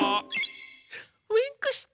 ウインクした。